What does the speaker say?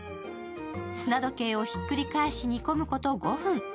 砂時計をひっくり返し、煮込むこと５分。